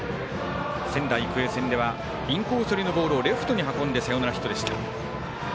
仙台育英戦ではインコース気味のボールをレフトに運んでサヨナラヒットでした。